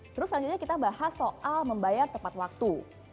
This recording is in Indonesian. terus selanjutnya kita bahas soal membayar tepat waktu